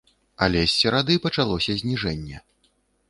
Але з серады пачалося зніжэнне.